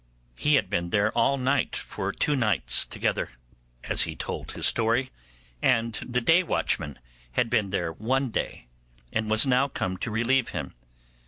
He had been there all night for two nights together, as he told his story, and the day watchman had been there one day, and was now come to relieve him.